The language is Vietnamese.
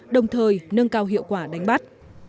đồng thời nâng cao hiệu quả đánh bắt